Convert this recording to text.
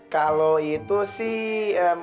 kalau itu sih